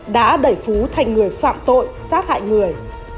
đã đẩy phú thành người phạm tội sát hại người